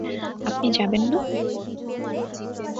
আপনি যাবেন না।